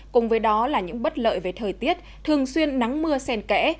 cùng với đó là những bất lợi về thời tiết thường xuyên nắng mưa sen kẽ